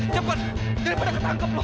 cepet daripada ketangkep lu